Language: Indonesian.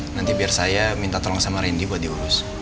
nanti biar saya minta tolong sama randy buat diurus